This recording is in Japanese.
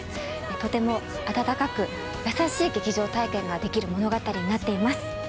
とても温かく優しい劇場体験ができる物語になっています。